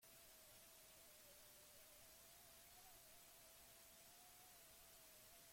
Ordainetan, berak gudarien nominan ezkutatuta zauzka.